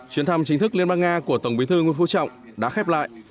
chuyến thăm chính thức liên bang nga của tổng bí thư nguyễn phú trọng đã khép lại